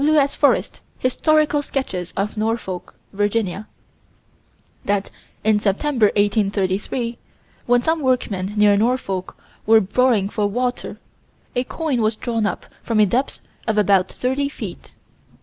W.S. Forest, Historical Sketches of Norfolk, Virginia: That, in September, 1833, when some workmen, near Norfolk, were boring for water, a coin was drawn up from a depth of about 30 feet.